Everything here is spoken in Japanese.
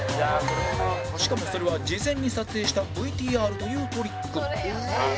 しかもそれは事前に撮影した ＶＴＲ というトリック